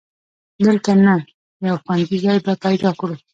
دلته نه، یو خوندي ځای به پیدا کړو.